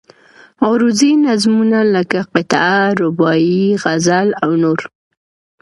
عروضي نظمونه لکه قطعه، رباعي، غزل او نور.